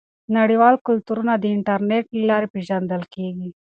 نړیوال کلتورونه د انټرنیټ له لارې پیژندل کیږي.